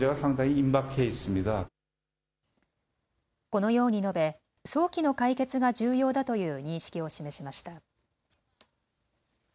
このように述べ早期の解決が重要だという認識を示しました。